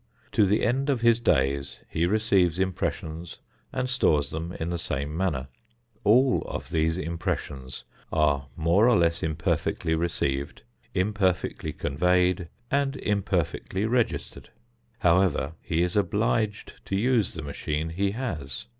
To the end of his days he receives impressions and stores them in the same manner. All of these impressions are more or less imperfectly received, imperfectly conveyed and imperfectly registered. However, he is obliged to use the machine he has.